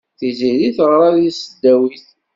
Tiziri teɣra deg tesdawit.